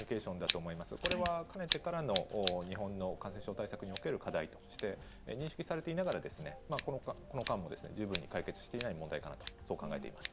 これはかねてからの日本の感染症対策における課題として認識されていながらこの間も十分に解決されていない問題だと思います。